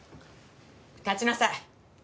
立ちなさい。